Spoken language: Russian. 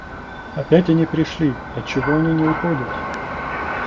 Опять они пришли, отчего они не уходят?..